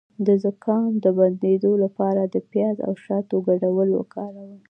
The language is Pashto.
د زکام د بندیدو لپاره د پیاز او شاتو ګډول وکاروئ